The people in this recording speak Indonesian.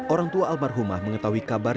orang tua almarhumah mengetahui kabar